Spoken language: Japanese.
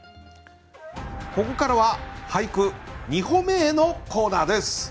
ここからは「俳句、二歩目へ」のコーナーです。